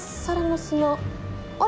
あれ？